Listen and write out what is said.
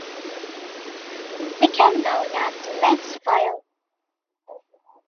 This became known as the Metz Fire.